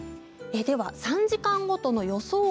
では３時間ごとの予想